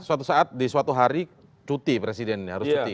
suatu saat di suatu hari cuti presiden harus cuti